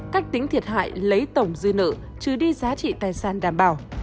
cách tính thiệt hại lấy tổng dư nợ trừ đi giá trị tài sản đảm bảo